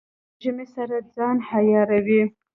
وزې له ژمې سره ځان عیاروي